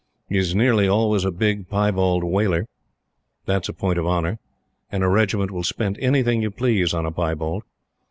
He is nearly always a big piebald Waler. That is a point of honor; and a Regiment will spend anything you please on a piebald.